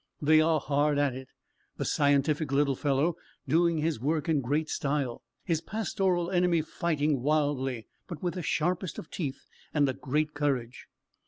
They are hard at it; the scientific little fellow doing his work in great style, his pastoral enemy fighting wildly, but with the sharpest of teeth and a great courage.